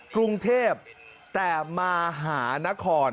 กรุงเทพแต่มหานคร